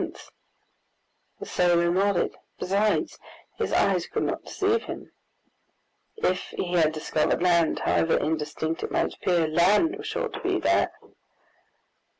The sailor nodded; besides, his eyes could not deceive him. If he had discovered land, however indistinct it might appear, land was sure to be there.